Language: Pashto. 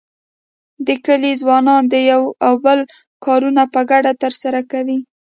د کلي ځوانان د یو او بل کارونه په ګډه تر سره کوي.